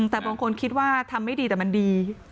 แต่บางคนคิดว่าทำไม่ดีแต่มันดี